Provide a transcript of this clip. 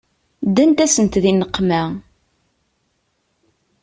Ddant-asent di nneqma.